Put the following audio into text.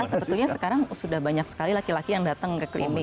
sebetulnya sekarang sudah banyak sekali laki laki yang datang ke klinik